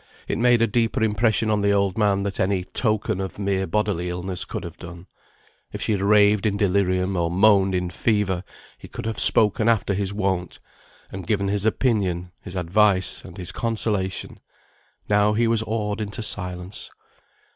It made a deeper impression on the old man than any token of mere bodily illness could have done. If she had raved in delirium, or moaned in fever, he could have spoken after his wont, and given his opinion, his advice, and his consolation; now he was awed into silence.